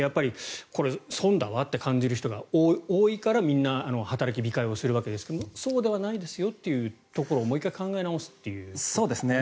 これ、損だわって感じる人が多いからみんな働き控えをするわけですがそうではないですよというところもう１回考え直すという。